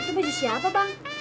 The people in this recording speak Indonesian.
itu baju siapa bang